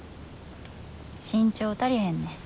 身長足りへんねん。